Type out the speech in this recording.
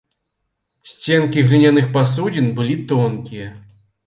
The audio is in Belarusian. Сценкі гліняных пасудзін былі тонкія.